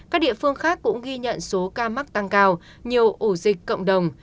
các địa phương khác cũng ghi nhận số ca mắc tăng cao nhiều ổ dịch cộng đồng